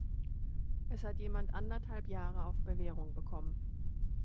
Es hat jemand anderthalb Jahre auf Bewährung bekommen.